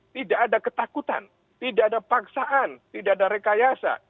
tidak ada ketakutan tidak ada paksaan tidak ada rekayasa